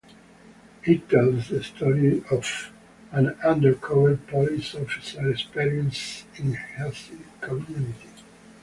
It tells the story of an undercover police officer's experiences in a Hasidic community.